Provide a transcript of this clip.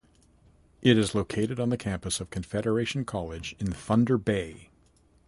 It is located on the campus of Confederation College in Thunder Bay.